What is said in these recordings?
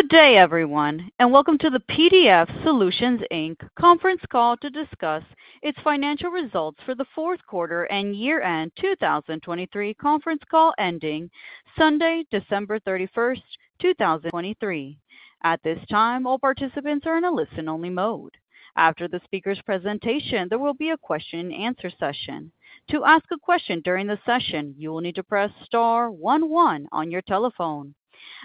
Good day, everyone, and welcome to the PDF Solutions, Inc. conference call to discuss its financial results for the fourth quarter and year-end 2023 conference call ending Sunday, December 31, 2023. At this time, all participants are in a listen-only mode. After the speaker's presentation, there will be a question and answer session. To ask a question during the session, you will need to press star one one on your telephone.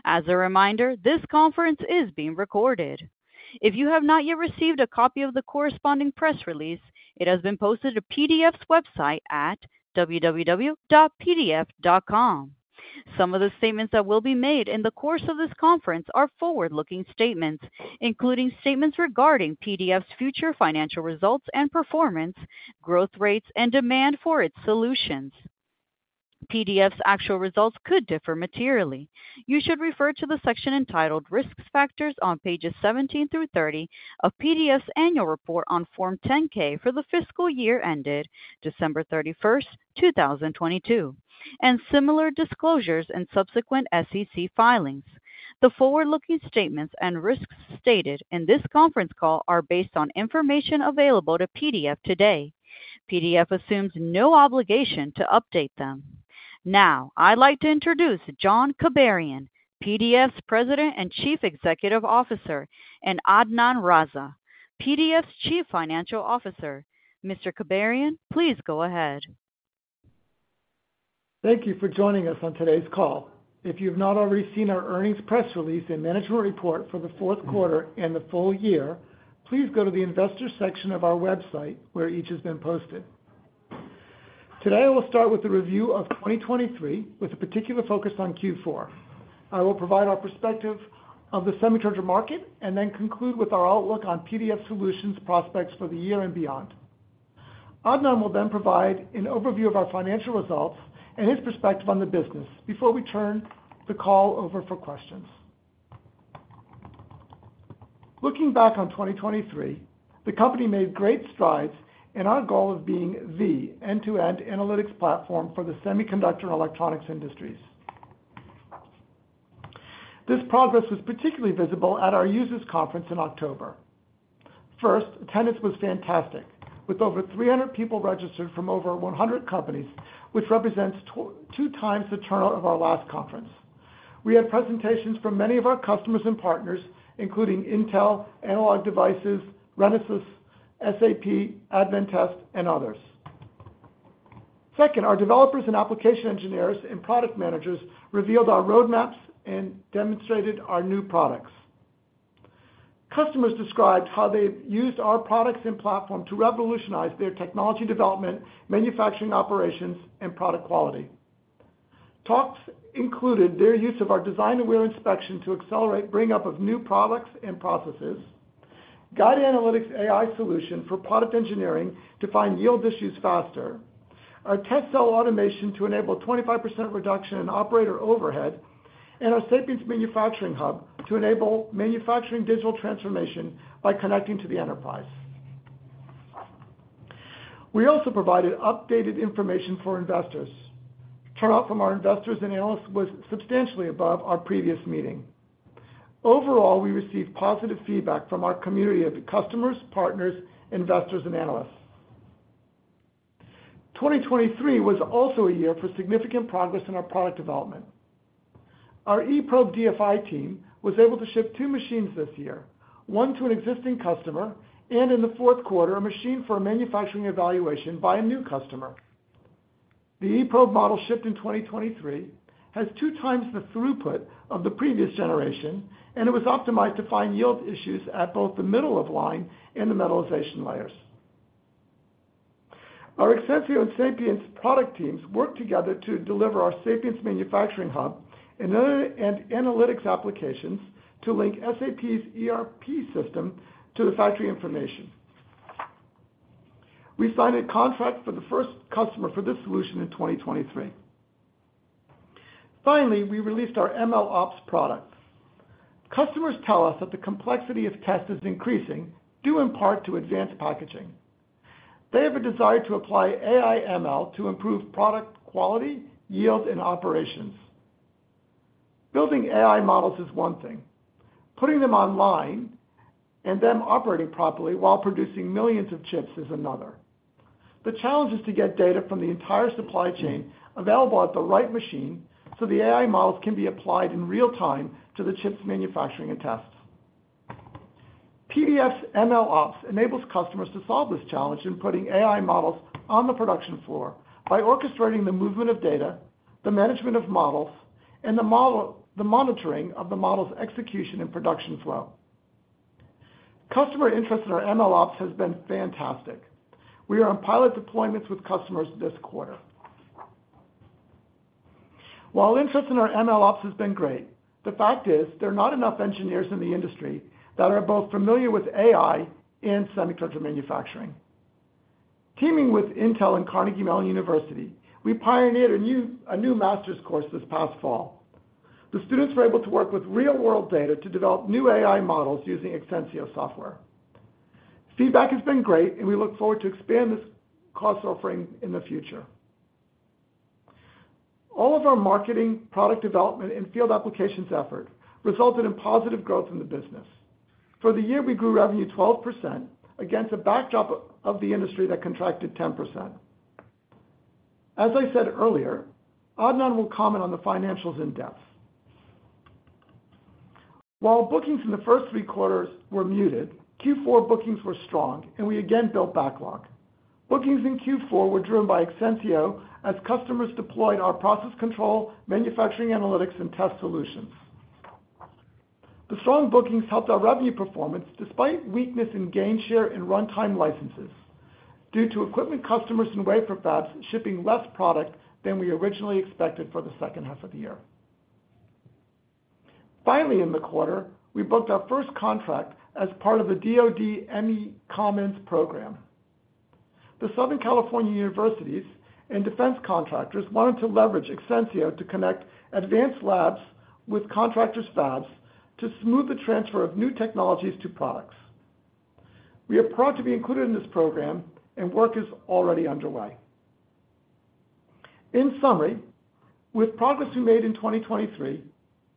As a reminder, this conference is being recorded. If you have not yet received a copy of the corresponding press release, it has been posted to PDF's website at www.pdf.com. Some of the statements that will be made in the course of this conference are forward-looking statements, including statements regarding PDF's future financial results and performance, growth rates, and demand for its solutions. PDF's actual results could differ materially. You should refer to the section entitled "Risk Factors" on pages 17-30 of PDF's annual report on Form 10-K for the fiscal year ended December 31, 2022, and similar disclosures in subsequent SEC filings. The forward-looking statements and risks stated in this conference call are based on information available to PDF today. PDF assumes no obligation to update them. Now, I'd like to introduce John Kibarian, PDF's President and Chief Executive Officer, and Adnan Raza, PDF's Chief Financial Officer. Mr. Kibarian, please go ahead. Thank you for joining us on today's call. If you've not already seen our earnings press release and management report for the fourth quarter and the full year, please go to the investors section of our website, where each has been posted. Today, I will start with a review of 2023, with a particular focus on Q4. I will provide our perspective on the semiconductor market and then conclude with our outlook on PDF Solutions' prospects for the year and beyond. Adnan will then provide an overview of our financial results and his perspective on the business before we turn the call over for questions. Looking back on 2023, the company made great strides in our goal of being the end-to-end analytics platform for the semiconductor and electronics industries. This progress was particularly visible at our users conference in October. First, attendance was fantastic, with over 300 people registered from over 100 companies, which represents two times the turnout of our last conference. We had presentations from many of our customers and partners, including Intel, Analog Devices, Renesas, SAP, Advantest, and others. Second, our developers and application engineers and product managers revealed our roadmaps and demonstrated our new products. Customers described how they've used our products and platform to revolutionize their technology development, manufacturing operations, and product quality. Talks included their use of our DFI and wafer inspection to accelerate bringup of new products and processes, Guided Analytics AI solution for product engineering to find yield issues faster, our test cell automation to enable 25% reduction in operator overhead, and our Sapience manufacturing hub to enable manufacturing digital transformation by connecting to the enterprise. We also provided updated information for investors. Turnout from our investors and analysts was substantially above our previous meeting. Overall, we received positive feedback from our community of customers, partners, investors, and analysts. 2023 was also a year for significant progress in our product development. Our eProbe DFI team was able to ship 2 machines this year, one to an existing customer, and in the fourth quarter, a machine for a manufacturing evaluation by a new customer. The eProbe model shipped in 2023 has 2 times the throughput of the previous generation, and it was optimized to find yield issues at both the middle of line and the metallization layers. Our Exensio and Sapience product teams worked together to deliver our Sapience manufacturing hub and analytics applications to link SAP's ERP system to the factory information. We signed a contract for the first customer for this solution in 2023. Finally, we released our MLOps product. Customers tell us that the complexity of test is increasing, due in part to advanced packaging. They have a desire to apply AI ML to improve product quality, yield, and operations. Building AI models is one thing. Putting them online and them operating properly while producing millions of chips is another. The challenge is to get data from the entire supply chain available at the right machine, so the AI models can be applied in real time to the chips manufacturing and test. PDF's MLOps enables customers to solve this challenge in putting AI models on the production floor by orchestrating the movement of data, the management of models, and the monitoring of the model's execution and production flow. Customer interest in our MLOps has been fantastic. We are on pilot deployments with customers this quarter. While interest in our MLOps has been great, the fact is, there are not enough engineers in the industry that are both familiar with AI and semiconductor manufacturing. Teaming with Intel and Carnegie Mellon University, we pioneered a new master's course this past fall. The students were able to work with real-world data to develop new AI models using Exensio software. Feedback has been great, and we look forward to expand this course offering in the future. All of our marketing, product development, and field applications effort resulted in positive growth in the business. For the year, we grew revenue 12% against a backdrop of the industry that contracted 10%. As I said earlier, Adnan will comment on the financials in depth. While bookings in the first three quarters were muted, Q4 bookings were strong, and we again built backlog. Bookings in Q4 were driven by Exensio as customers deployed our process control, manufacturing, analytics, and test solutions. The strong bookings helped our revenue performance despite weakness in Gainshare and runtime licenses, due to equipment customers and wafer fabs shipping less product than we originally expected for the second half of the year. Finally, in the quarter, we booked our first contract as part of the DoD ME Commons program. The Southern California universities and defense contractors wanted to leverage Exensio to connect advanced labs with contractor fabs to smooth the transfer of new technologies to products. We are proud to be included in this program, and work is already underway. In summary, with progress we made in 2023,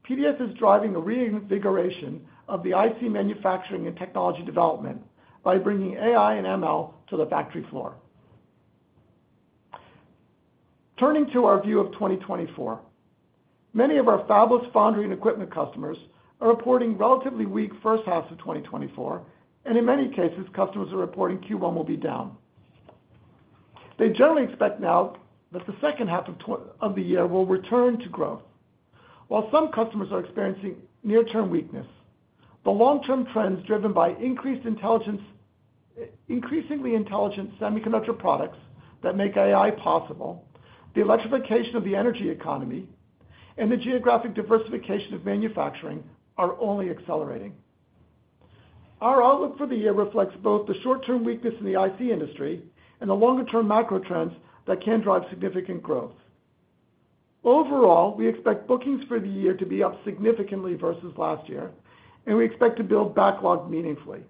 PDF is driving the reinvigoration of the IC manufacturing and technology development by bringing AI and ML to the factory floor. Turning to our view of 2024. Many of our fabless foundry and equipment customers are reporting relatively weak first half of 2024, and in many cases, customers are reporting Q1 will be down. They generally expect now that the second half of the year will return to growth. While some customers are experiencing near-term weakness, the long-term trends, driven by increasingly intelligent semiconductor products that make AI possible, the electrification of the energy economy, and the geographic diversification of manufacturing, are only accelerating. Our outlook for the year reflects both the short-term weakness in the IC industry and the longer-term macro trends that can drive significant growth. Overall, we expect bookings for the year to be up significantly versus last year, and we expect to build backlog meaningfully.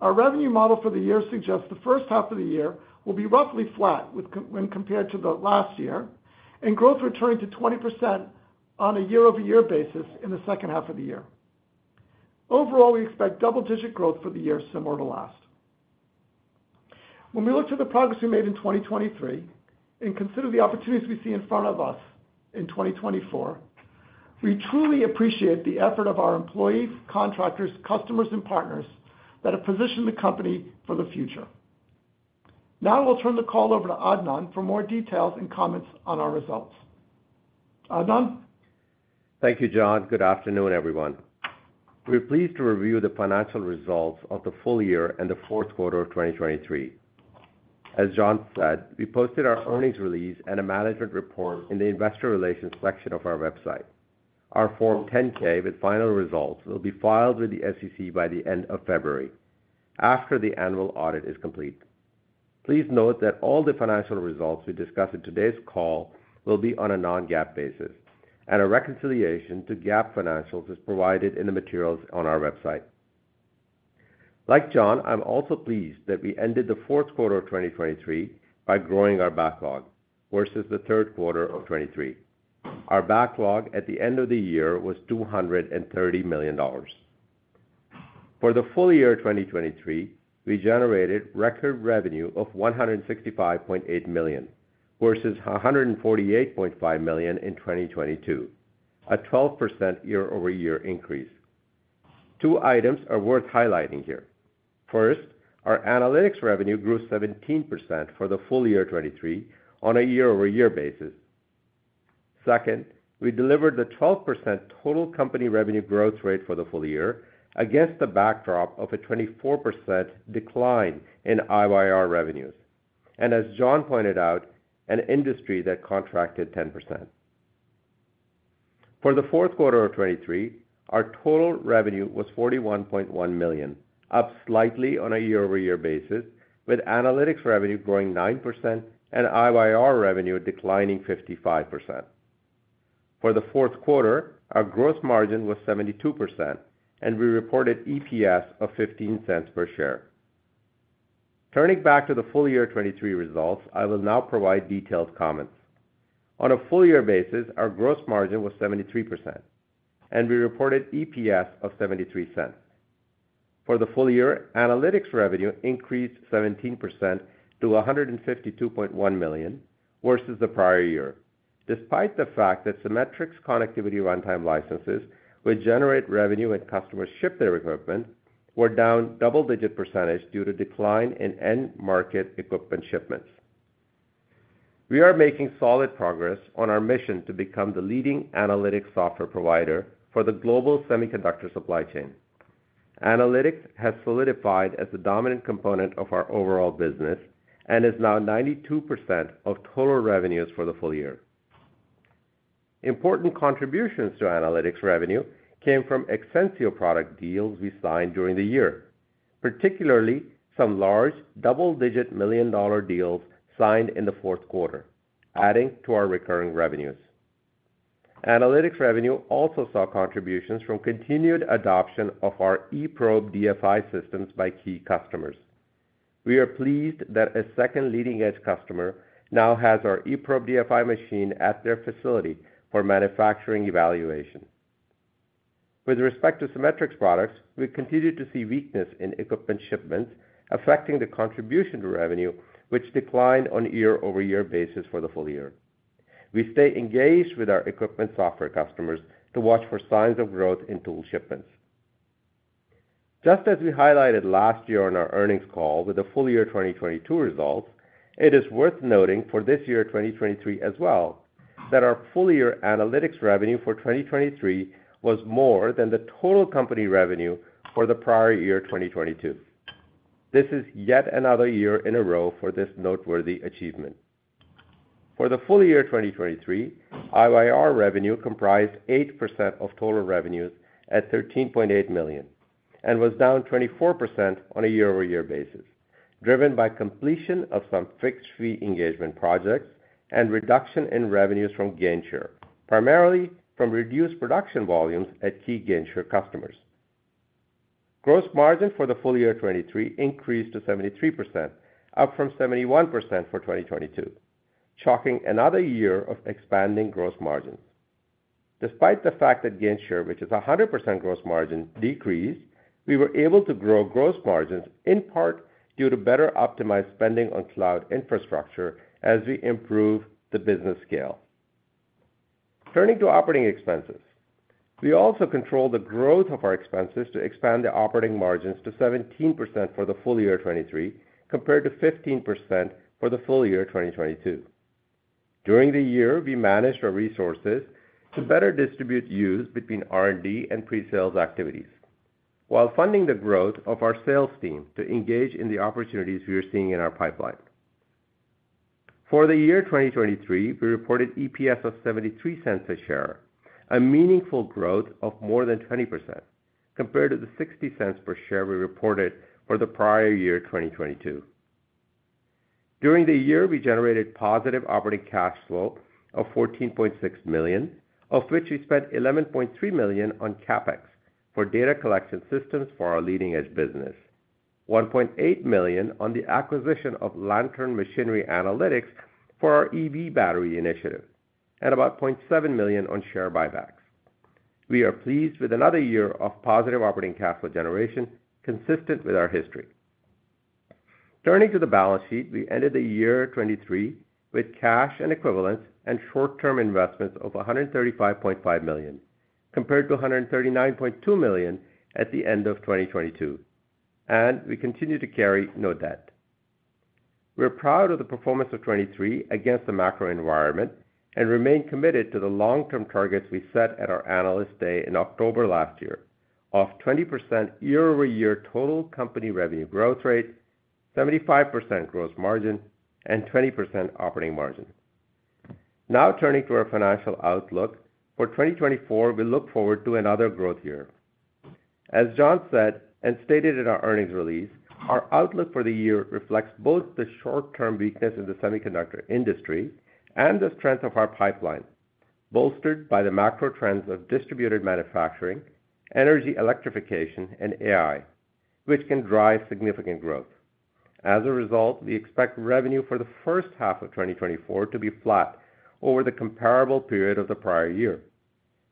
Our revenue model for the year suggests the first half of the year will be roughly flat when compared to the last year, and growth returning to 20% on a year-over-year basis in the second half of the year. Overall, we expect double-digit growth for the year similar to last. When we look to the progress we made in 2023 and consider the opportunities we see in front of us in 2024, we truly appreciate the effort of our employees, contractors, customers, and partners that have positioned the company for the future. Now I will turn the call over to Adnan for more details and comments on our results. Adnan? Thank you, John. Good afternoon, everyone. We're pleased to review the financial results of the full year and the fourth quarter of 2023. As John said, we posted our earnings release and a management report in the investor relations section of our website. Our Form 10-K, with final results, will be filed with the SEC by the end of February, after the annual audit is complete. Please note that all the financial results we discuss in today's call will be on a non-GAAP basis, and a reconciliation to GAAP financials is provided in the materials on our website. Like John, I'm also pleased that we ended the fourth quarter of 2023 by growing our backlog versus the third quarter of 2023. Our backlog at the end of the year was $230 million. For the full year 2023, we generated record revenue of $165.8 million, versus $148.5 million in 2022, a 12% year-over-year increase. Two items are worth highlighting here. First, our analytics revenue grew 17% for the full year 2023 on a year-over-year basis. Second, we delivered the 12% total company revenue growth rate for the full year against the backdrop of a 24% decline in IYR revenues, and as John pointed out, an industry that contracted 10%. For the fourth quarter of 2023, our total revenue was $41.1 million, up slightly on a year-over-year basis, with analytics revenue growing 9% and IYR revenue declining 55%. For the fourth quarter, our gross margin was 72%, and we reported EPS of $0.15 per share. Turning back to the full year 2023 results, I will now provide detailed comments. On a full year basis, our gross margin was 73%, and we reported EPS of $0.73. For the full year, analytics revenue increased 17% to $152.1 million versus the prior year, despite the fact that Cimetrix connectivity runtime licenses, which generate revenue when customers ship their equipment, were down double-digit percentage due to decline in end-market equipment shipments. We are making solid progress on our mission to become the leading analytics software provider for the global semiconductor supply chain. Analytics has solidified as the dominant component of our overall business and is now 92% of total revenues for the full year. Important contributions to analytics revenue came from Exensio product deals we signed during the year, particularly some large double-digit million-dollar deals signed in the fourth quarter, adding to our recurring revenues. Analytics revenue also saw contributions from continued adoption of our eProbe DFI systems by key customers. We are pleased that a second leading-edge customer now has our eProbe DFI machine at their facility for manufacturing evaluation. With respect to Cimetrix products, we continued to see weakness in equipment shipments, affecting the contribution to revenue, which declined on a year-over-year basis for the full year. We stay engaged with our equipment software customers to watch for signs of growth in tool shipments. Just as we highlighted last year on our earnings call with the full year 2022 results, it is worth noting for this year, 2023, as well, that our full year analytics revenue for 2023 was more than the total company revenue for the prior year, 2022. This is yet another year in a row for this noteworthy achievement. For the full year 2023, IYR revenue comprised 8% of total revenues at $13.8 million, and was down 24% on a year-over-year basis, driven by completion of some fixed-fee engagement projects and reduction in revenues from Gainshare, primarily from reduced production volumes at key Gainshare customers. Gross margin for the full year 2023 increased to 73%, up from 71% for 2022, chalking another year of expanding gross margins. Despite the fact that Gainshare, which is 100% gross margin, decreased, we were able to grow gross margins, in part due to better optimized spending on cloud infrastructure as we improve the business scale. Turning to operating expenses. We also control the growth of our expenses to expand the operating margins to 17% for the full year 2023, compared to 15% for the full year 2022. During the year, we managed our resources to better distribute use between R&D and pre-sales activities, while funding the growth of our sales team to engage in the opportunities we are seeing in our pipeline. For the year 2023, we reported EPS of $0.73 per share, a meaningful growth of more than 20% compared to the $0.60 per share we reported for the prior year, 2022. During the year, we generated positive operating cash flow of $14.6 million, of which we spent $11.3 million on CapEx for data collection systems for our leading-edge business, $1.8 million on the acquisition of Lantern Machinery Analytics for our EV battery initiative, and about $0.7 million on share buybacks. We are pleased with another year of positive operating cash flow generation, consistent with our history. Turning to the balance sheet, we ended the year 2023 with cash and equivalents and short-term investments of $135.5 million, compared to $139.2 million at the end of 2022, and we continue to carry no debt. We're proud of the performance of 2023 against the macro environment and remain committed to the long-term targets we set at our Analyst Day in October last year, of 20% year-over-year total company revenue growth rate, 75% gross margin, and 20% operating margin. Now turning to our financial outlook. For 2024, we look forward to another growth year. As John said, and stated in our earnings release, our outlook for the year reflects both the short-term weakness in the semiconductor industry and the strength of our pipeline, bolstered by the macro trends of distributed manufacturing, energy electrification, and AI, which can drive significant growth. As a result, we expect revenue for the first half of 2024 to be flat over the comparable period of the prior year,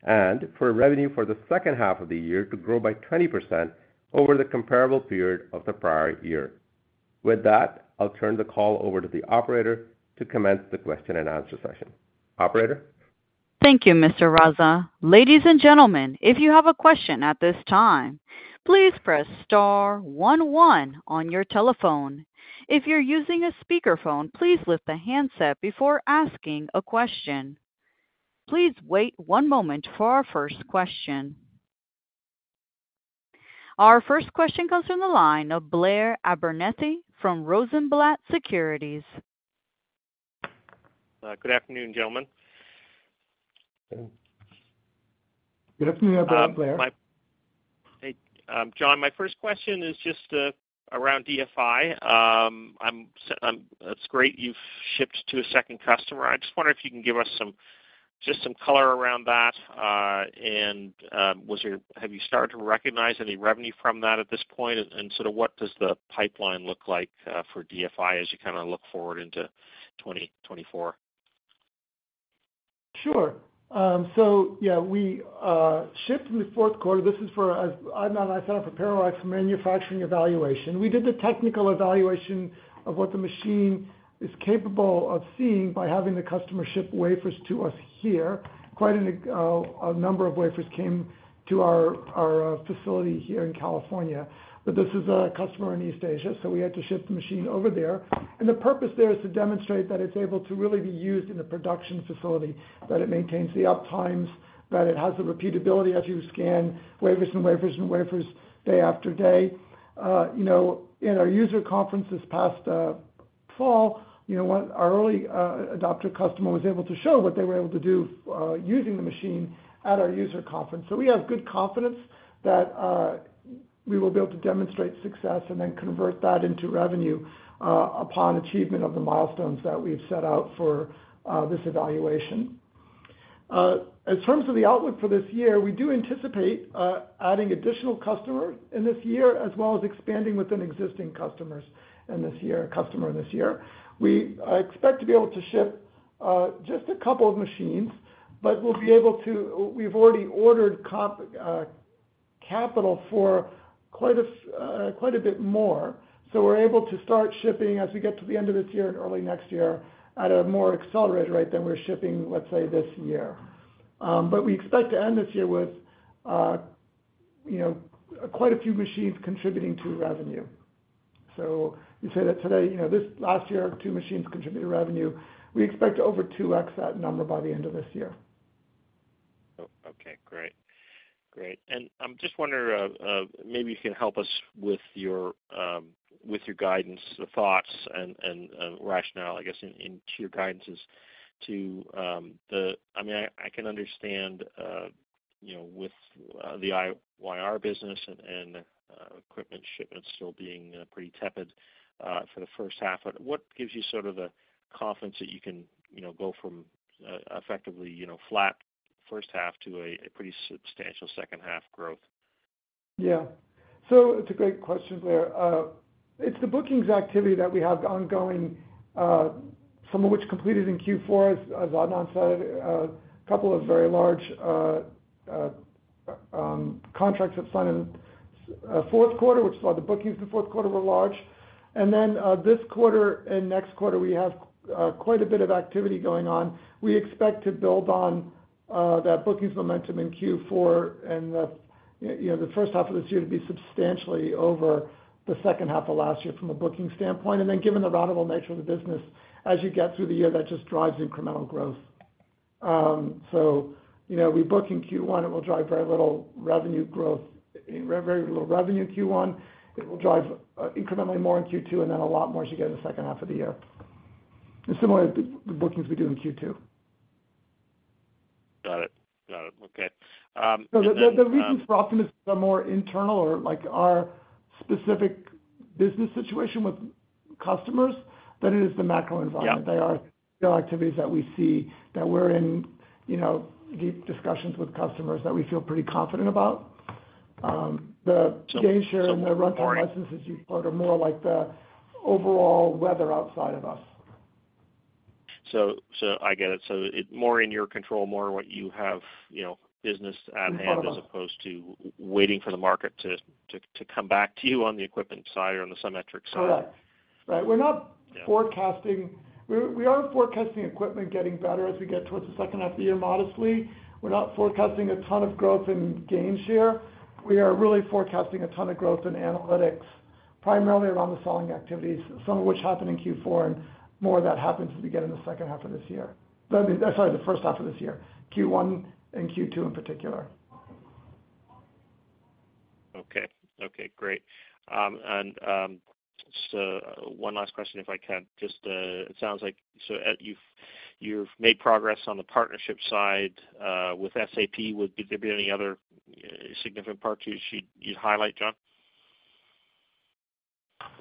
and for revenue for the second half of the year to grow by 20% over the comparable period of the prior year. With that, I'll turn the call over to the operator to commence the question and answer session. Operator? Thank you, Mr. Raza. Ladies and gentlemen, if you have a question at this time, please press star one one on your telephone. If you're using a speakerphone, please lift the handset before asking a question. Please wait one moment for our first question. Our first question comes from the line of Blair Abernethy from Rosenblatt Securities. Good afternoon, gentlemen. Good afternoon, Blair. Hey, John, my first question is just around DFI. That's great, you've shipped to a second customer. I just wonder if you can give us some, just some color around that, and have you started to recognize any revenue from that at this point? And sort of what does the pipeline look like for DFI as you kinda look forward into 2024? Sure. So yeah, we shipped in the fourth quarter. This is for, as I mentioned, for parallel manufacturing evaluation. We did the technical evaluation of what the machine is capable of seeing by having the customer ship wafers to us here. Quite a big number of wafers came to our facility here in California. But this is a customer in East Asia, so we had to ship the machine over there. And the purpose there is to demonstrate that it's able to really be used in a production facility, that it maintains the uptimes, that it has the repeatability as you scan wafers and wafers and wafers day after day. You know, in our user conference this past fall, you know, our early adopter customer was able to show what they were able to do using the machine. at our user conference. So we have good confidence that we will be able to demonstrate success and then convert that into revenue upon achievement of the milestones that we've set out for this evaluation. In terms of the outlook for this year, we do anticipate adding additional customers in this year, as well as expanding within existing customers in this year. I expect to be able to ship just a couple of machines, but we'll be able to. We've already ordered capital for quite a bit more. So we're able to start shipping as we get to the end of this year and early next year at a more accelerated rate than we're shipping, let's say, this year. But we expect to end this year with, you know, quite a few machines contributing to revenue. So you say that today, you know, this last year, two machines contributed to revenue. We expect over 2x that number by the end of this year. Oh, okay, great. Great. And I'm just wondering, maybe you can help us with your, with your guidance, the thoughts and, and, rationale, I guess, in, into your guidances to, the... I mean, I, I can understand, you know, with, the IYR business and, and, equipment shipments still being, pretty tepid, for the first half. What gives you sort of the confidence that you can, you know, go from, effectively, you know, flat first half to a, a pretty substantial second half growth? Yeah. So it's a great question there. It's the bookings activity that we have ongoing, some of which completed in Q4. As Adnan said, a couple of very large contracts that signed in fourth quarter, which is why the bookings in fourth quarter were large. And then this quarter and next quarter, we have quite a bit of activity going on. We expect to build on that bookings momentum in Q4, and the first half of this year to be substantially over the second half of last year from a booking standpoint. And then given the ratable nature of the business, as you get through the year, that just drives incremental growth. So you know, we book in Q1, it will drive very little revenue growth, very little revenue in Q1. It will drive incrementally more in Q2, and then a lot more as you get in the second half of the year. And similarly, the bookings we do in Q2. Got it. Gotcha. Okay, and then- The reasons for optimism are more internal or like our specific business situation with customers than it is the macro environment. Yeah. They are activities that we see that we're in, you know, deep discussions with customers that we feel pretty confident about. The Gainshare and the Runtime Licenses you've heard are more like the overall weather outside of us. So I get it. So it more in your control, more what you have, you know, business at hand- In front of us.... as opposed to waiting for the market to come back to you on the equipment side or on the Cimetrix side. Correct. Right, we're not- Yeah... forecasting. We, we are forecasting equipment getting better as we get towards the second half of the year, modestly. We're not forecasting a ton of growth in Gainshare. We are really forecasting a ton of growth in analytics, primarily around the selling activities, some of which happened in Q4, and more of that happens as we get in the second half of this year. I mean, sorry, the first half of this year, Q1 and Q2 in particular. Okay. Okay, great. Just one last question, if I can. Just, it sounds like, so, you've made progress on the partnership side with SAP. Would there be any other significant parts you'd highlight, John?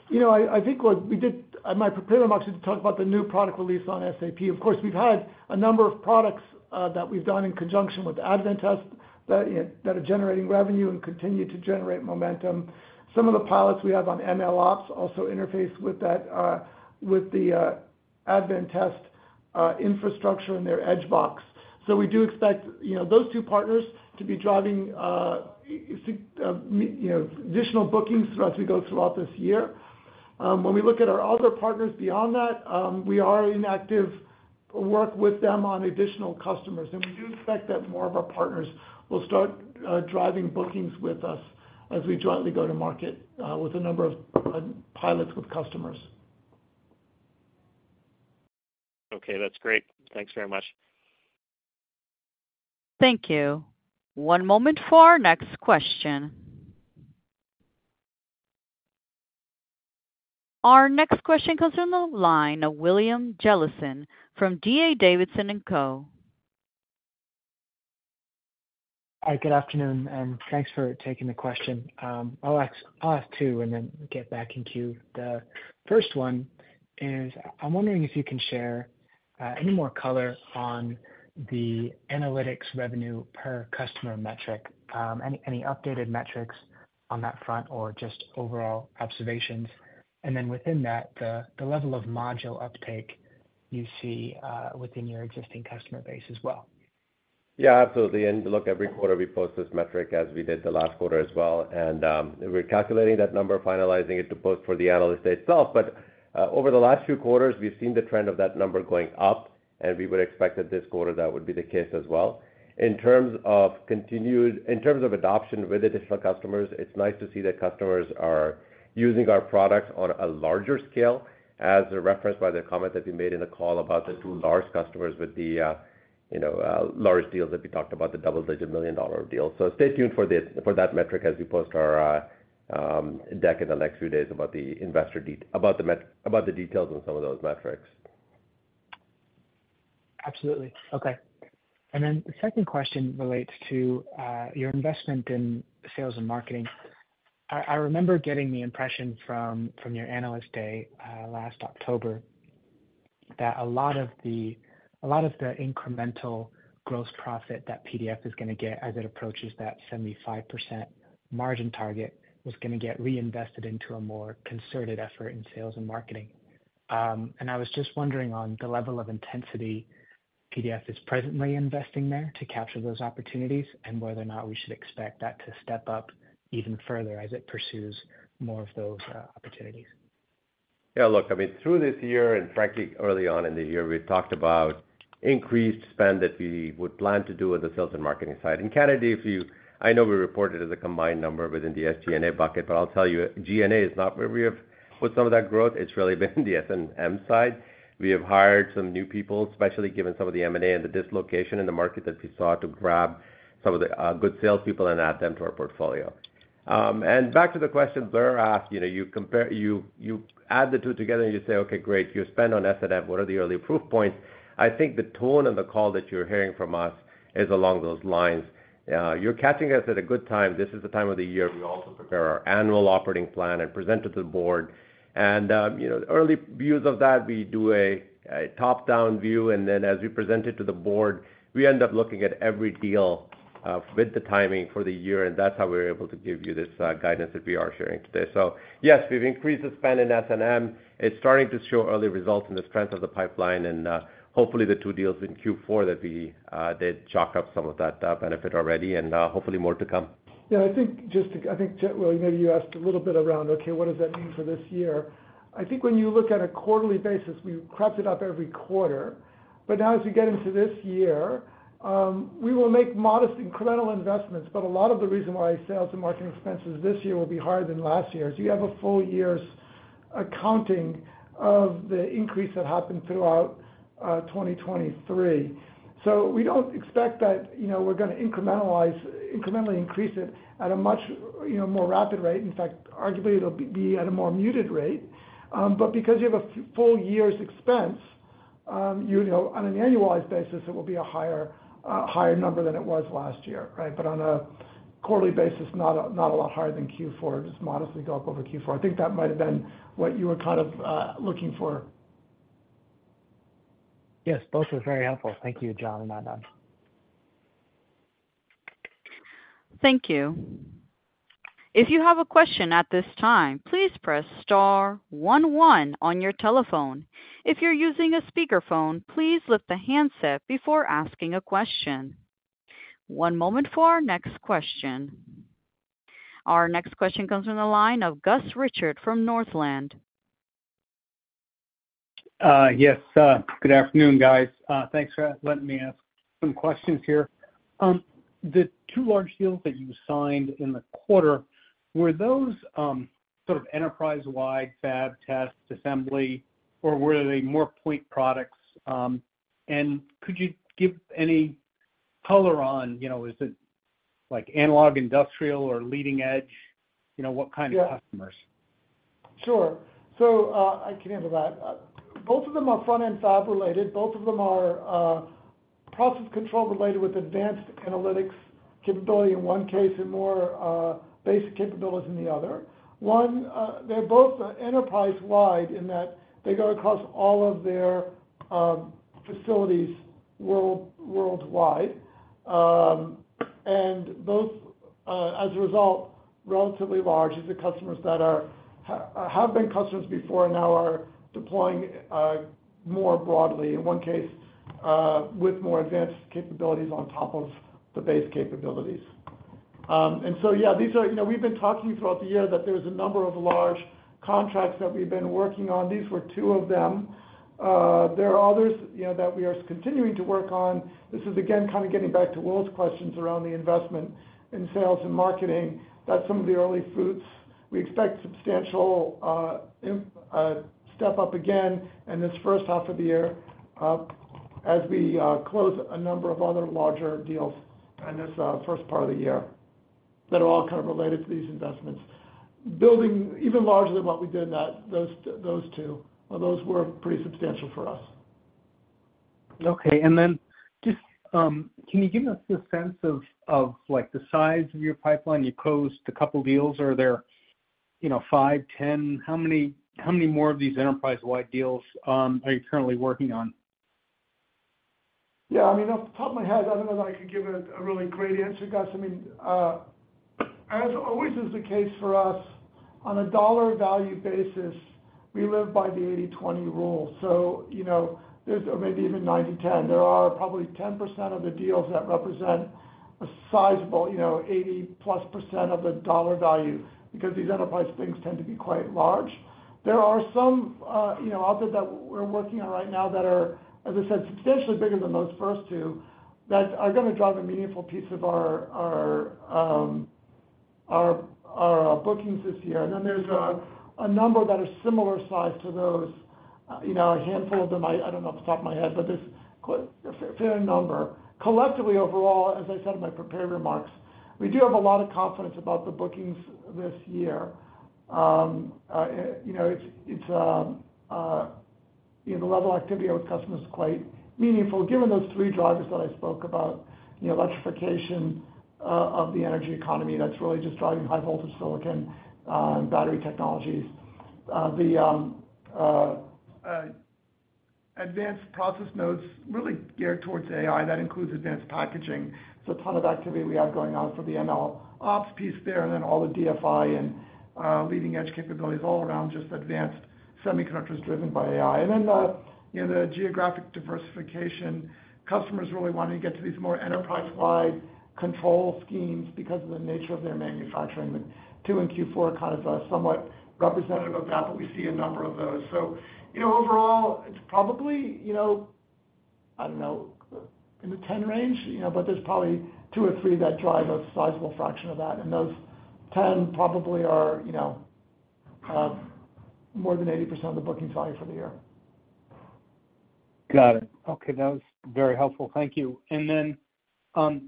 You know, I think what we did, at my prepared remarks, is talk about the new product release on SAP. Of course, we've had a number of products that we've done in conjunction with Advantest that are generating revenue and continue to generate momentum. Some of the pilots we have on MLOps also interface with that, with the Advantest infrastructure and their edge box. So we do expect, you know, those two partners to be driving, you know, additional bookings throughout as we go throughout this year. When we look at our other partners beyond that, we are in active work with them on additional customers, and we do expect that more of our partners will start driving bookings with us as we jointly go to market with a number of pilots with customers. Okay, that's great. Thanks very much. Thank you. One moment for our next question. Our next question comes from the line of William Jellison from DA Davidson & Co. Hi, good afternoon, and thanks for taking the question. I'll ask two and then get back in queue. The first one is, I'm wondering if you can share any more color on the analytics revenue per customer metric, any updated metrics on that front or just overall observations? And then within that, the level of module uptake you see within your existing customer base as well. Yeah, absolutely. Look, every quarter we post this metric as we did the last quarter as well, and we're calculating that number, finalizing it to post for the analyst itself. But over the last few quarters, we've seen the trend of that number going up, and we would expect that this quarter that would be the case as well. In terms of adoption with additional customers, it's nice to see that customers are using our products on a larger scale, as referenced by the comment that we made in the call about the two large customers with the, you know, large deals that we talked about, the double-digit million-dollar deal. So stay tuned for that metric as we post our deck in the next few days about the details on some of those metrics.... Absolutely. Okay. And then the second question relates to your investment in sales and marketing. I, I remember getting the impression from your Analyst Day last October, that a lot of the incremental gross profit that PDF is gonna get as it approaches that 75% margin target, was gonna get reinvested into a more concerted effort in sales and marketing. And I was just wondering on the level of intensity PDF is presently investing there to capture those opportunities, and whether or not we should expect that to step up even further as it pursues more of those opportunities? Yeah, look, I mean, through this year, and frankly, early on in the year, we've talked about increased spend that we would plan to do with the sales and marketing side. In Canada, if you, I know we reported as a combined number within the SG&A bucket, but I'll tell you, G&A is not where we have put some of that growth. It's really been the S&M side. We have hired some new people, especially given some of the M&A and the dislocation in the market that we saw, to grab some of the good salespeople and add them to our portfolio. And back to the question Blair asked, you know, you compare, you add the two together, and you say, "Okay, great. You spend on S&M. What are the early proof points?" I think the tone on the call that you're hearing from us is along those lines. You're catching us at a good time. This is the time of the year we also prepare our annual operating plan and present to the board. You know, early views of that, we do a top-down view, and then as we present it to the board, we end up looking at every deal with the timing for the year, and that's how we're able to give you this guidance that we are sharing today. So yes, we've increased the spend in S&M. It's starting to show early results in the strength of the pipeline, and hopefully, the two deals in Q4 that we did chalk up some of that benefit already, and hopefully more to come. Yeah, I think, Will, maybe you asked a little bit around, okay, what does that mean for this year? I think when you look at a quarterly basis, we've crept it up every quarter. But now as we get into this year, we will make modest incremental investments, but a lot of the reason why sales and marketing expenses this year will be higher than last year is you have a full year's accounting of the increase that happened throughout 2023. So we don't expect that, you know, we're gonna incrementalize, incrementally increase it at a much, you know, more rapid rate. In fact, arguably, it'll be at a more muted rate. But because you have a full year's expense, you know, on an annualized basis, it will be a higher higher number than it was last year, right? But on a quarterly basis, not a lot higher than Q4, just modestly go up over Q4. I think that might have been what you were kind of looking for. Yes, both are very helpful. Thank you, John and Adnan. Thank you. If you have a question at this time, please press star one, one on your telephone. If you're using a speakerphone, please lift the handset before asking a question. One moment for our next question. Our next question comes from the line of Gus Richard from Northland. Yes, good afternoon, guys. Thanks for letting me ask some questions here. The two large deals that you signed in the quarter, were those sort of enterprise-wide fab test assembly, or were they more point products? And could you give any color on, you know, is it like analog, industrial or leading edge? You know, what kind of customers? Yeah. Sure. So, I can handle that. Both of them are front-end fab related. Both of them are process control related with advanced analytics capability in one case, and more basic capabilities in the other. They're both enterprise-wide in that they go across all of their facilities worldwide, and both, as a result, relatively large. The customers that have been customers before now are deploying more broadly, in one case with more advanced capabilities on top of the base capabilities. And so, yeah, these are... You know, we've been talking throughout the year that there's a number of large contracts that we've been working on. These were two of them. There are others, you know, that we are continuing to work on. This is, again, kind of getting back to Will's questions around the investment in sales and marketing. That's some of the early fruits. We expect substantial step up again in this first half of the year, as we close a number of other larger deals in this first part of the year, that are all kind of related to these investments. Building even larger than what we did in that, those two, well, those were pretty substantial for us. Okay, and then just, can you give us a sense of like, the size of your pipeline? You closed a couple deals. Are there, you know, five, 10? How many more of these enterprise-wide deals are you currently working on? Yeah, I mean, off the top of my head, I don't know that I could give a really great answer, Gus. I mean, as always is the case for us, on a dollar value basis, we live by the 80-20 rule. So you know, there's maybe even 90-10. There are probably 10% of the deals that represent a sizable, you know, 80+% of the dollar value, because these enterprise things tend to be quite large. There are some, you know, others that we're working on right now that are, as I said, substantially bigger than those first two, that are gonna drive a meaningful piece of our bookings this year. And then there's a number that are similar size to those, you know, a handful of them, I don't know, off the top of my head, but there's quite a fair number. Collectively, overall, as I said in my prepared remarks, we do have a lot of confidence about the bookings this year. You know, the level of activity with customers is quite meaningful, given those three drivers that I spoke about. The electrification of the energy economy, that's really just driving high voltage silicon and battery technologies. The advanced process nodes really geared towards AI, that includes advanced packaging. So a ton of activity we have going on for the MLOps piece there, and then all the DFI and leading-edge capabilities all around, just advanced semiconductors driven by AI. And then the, you know, the geographic diversification. Customers really wanting to get to these more enterprise-wide control schemes because of the nature of their manufacturing. The two in Q4 are kind of, somewhat representative of that, but we see a number of those. So, you know, overall, it's probably, you know, I don't know, in the 10 range, you know, but there's probably 2 or 3 that drive a sizable fraction of that. And those 10 probably are, you know, more than 80% of the booking size for the year. Got it. Okay, that was very helpful. Thank you. And then,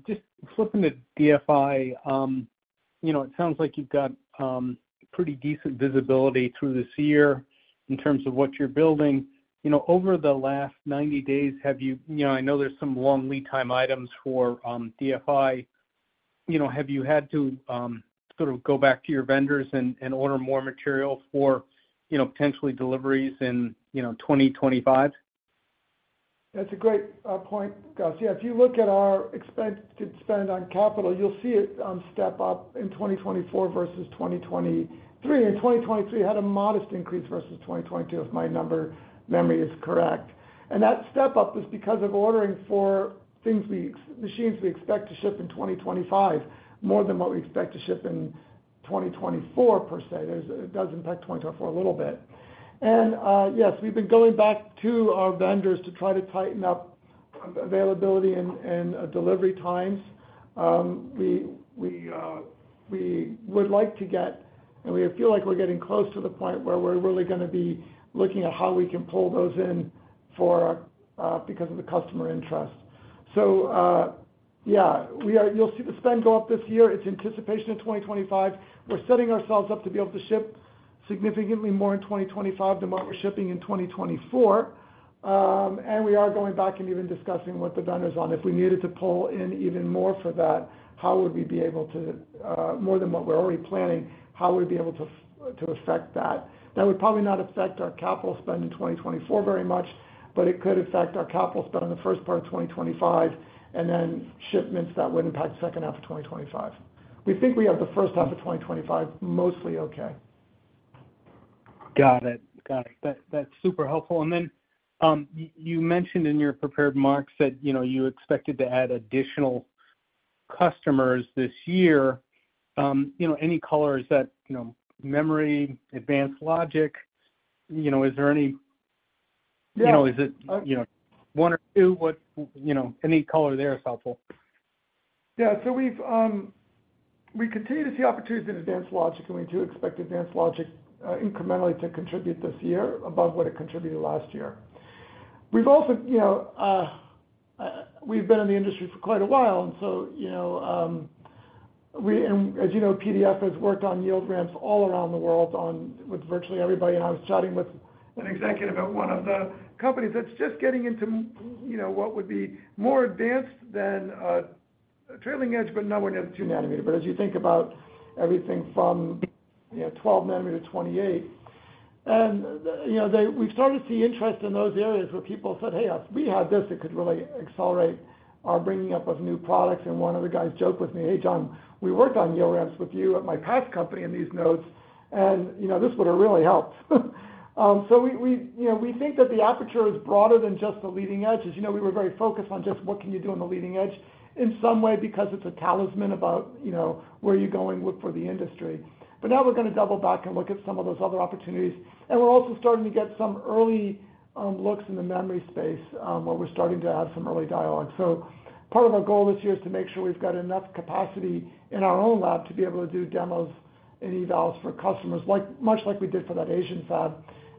just flipping to DFI, you know, it sounds like you've got pretty decent visibility through this year in terms of what you're building. You know, over the last 90 days, have you—you know, I know there's some long lead time items for DFI. You know, have you had to sort of go back to your vendors and, and order more material for, you know, potentially deliveries in, you know, 2025? That's a great point, Gus. Yeah, if you look at our expected spend on capital, you'll see it step up in 2024 versus 2023. In 2023, had a modest increase versus 2022, if my memory is correct. And that step up is because of ordering for machines we expect to ship in 2025, more than what we expect to ship in 2024, per se. It does impact 2024 a little bit. And yes, we've been going back to our vendors to try to tighten up availability and delivery times. We would like to get, and we feel like we're getting close to the point where we're really gonna be looking at how we can pull those in for because of the customer interest. So, yeah, we are. You'll see the spend go up this year. It's anticipation of 2025. We're setting ourselves up to be able to ship significantly more in 2025 than what we're shipping in 2024. And we are going back and even discussing with the vendors on if we needed to pull in even more for that, how would we be able to, more than what we're already planning, to affect that? That would probably not affect our capital spend in 2024 very much, but it could affect our capital spend in the first part of 2025, and then shipments that would impact the second half of 2025. We think we have the first half of 2025, mostly okay. Got it. Got it. That's super helpful. And then, you mentioned in your prepared remarks that, you know, you expected to add additional customers this year. You know, any color, is that, you know, memory, advanced logic? You know, is there any- Yeah. You know, is it, you know, one or two? What, you know, any color there is helpful? Yeah. So we continue to see opportunities in advanced logic, and we do expect advanced logic incrementally to contribute this year above what it contributed last year. We've also, you know... We've been in the industry for quite a while, and so, you know, and as you know, PDF has worked on yield ramps all around the world with virtually everybody. And I was chatting with an executive at one of the companies that's just getting into, you know, what would be more advanced than a trailing edge, but nowhere near the 2-nanometer. But as you think about everything from, you know, 12 nanometer to 28, and, you know, they-- we've started to see interest in those areas where people said, "Hey, if we had this, it could really accelerate our bringing up of new products." And one of the guys joked with me: "Hey, John, we worked on yield ramps with you at my past company in these nodes, and, you know, this would have really helped." So we, you know, we think that the aperture is broader than just the leading edge. As you know, we were very focused on just what can you do on the leading edge in some way, because it's a talisman about, you know, where you're going with, for the industry. But now we're gonna double back and look at some of those other opportunities. And we're also starting to get some early looks in the memory space, where we're starting to have some early dialogue. So part of our goal this year is to make sure we've got enough capacity in our own lab to be able to do demos and evals for customers, like, much like we did for that Asian fab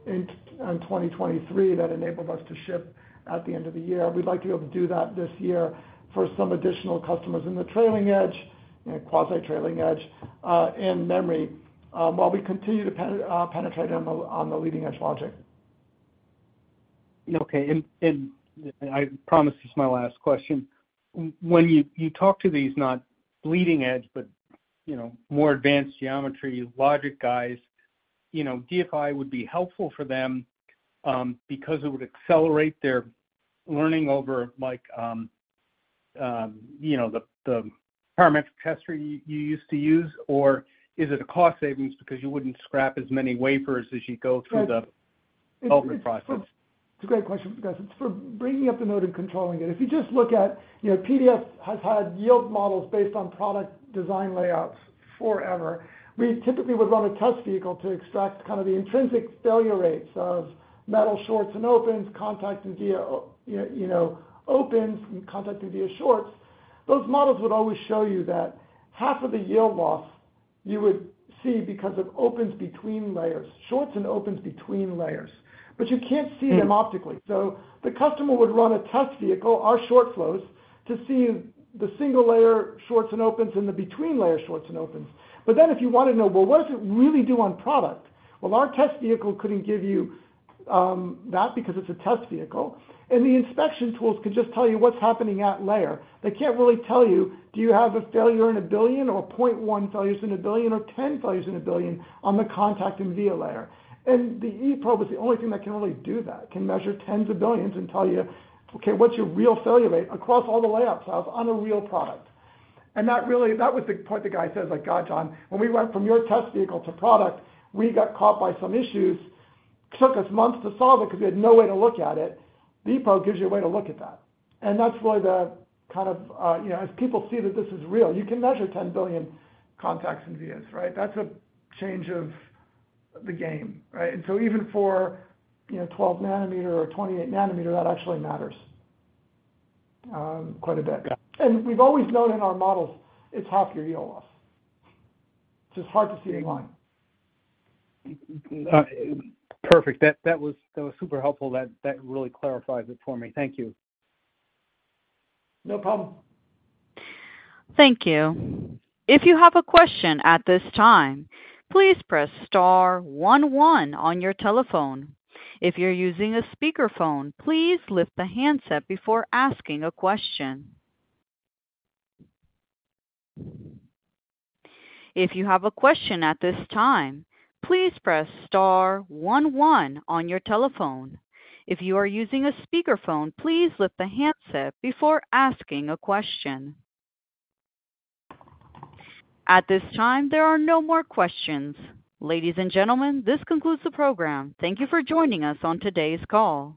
in 2023, that enabled us to ship at the end of the year. We'd like to be able to do that this year for some additional customers in the trailing edge, and quasi trailing edge, and memory, while we continue to penetrate on the leading edge logic. Okay. And I promise it's my last question. When you talk to these, not leading edge, but you know, more advanced geometry logic guys, you know, DFI would be helpful for them, because it would accelerate their learning over like, you know, the parametric tester you used to use? Or is it a cost savings because you wouldn't scrap as many wafers as you go through the- Right -development process? It's a great question, Gus. It's for bringing up the node and controlling it. If you just look at, you know, PDF has had yield models based on product design layouts forever. We typically would run a test vehicle to extract kind of the intrinsic failure rates of metal shorts and opens, contact and via, you know, opens and contact and via shorts. Those models would always show you that half of the yield loss you would see because of opens between layers, shorts and opens between layers, but you can't see them optically. So the customer would run a test vehicle, our short flows, to see the single layer shorts and opens, and the between layer shorts and opens. But then if you want to know, well, what does it really do on product? Well, our test vehicle couldn't give you that because it's a test vehicle, and the inspection tools could just tell you what's happening at layer. They can't really tell you, do you have a failure in a billion or 0.1 failures in a billion or 10 failures in a billion on the contact and via layer? And the eProbe is the only thing that can really do that, can measure tens of billions and tell you, okay, what's your real failure rate across all the layout cells on a real product? And that really, that was the point. The guy says, like, "God, John, when we went from your test vehicle to product, we got caught by some issues. Took us months to solve it because we had no way to look at it." The eProbe gives you a way to look at that, and that's why the kind of, you know, as people see that this is real, you can measure 10 billion contacts and vias, right? That's a change of the game, right? And so even for, you know, 12 nanometer or 28 nanometer, that actually matters, quite a bit. Got it. We've always known in our models, it's half your yield loss. It's just hard to see a line. Perfect. That was super helpful. That really clarifies it for me. Thank you. No problem. Thank you. If you have a question at this time, please press star one, one on your telephone. If you're using a speakerphone, please lift the handset before asking a question. If you have a question at this time, please press star one, one on your telephone. If you are using a speakerphone, please lift the handset before asking a question. At this time, there are no more questions. Ladies and gentlemen, this concludes the program. Thank you for joining us on today's call.